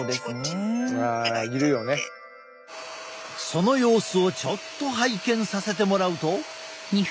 その様子をちょっと拝見させてもらうと。